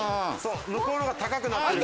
向こうの方が高くなってる。